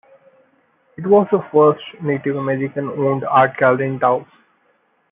It was the first Native American-owned art gallery in Taos.